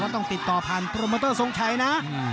แต่ว่าต้องติดต่อผ่านโปรมบัตเตอร์สงชัยนะ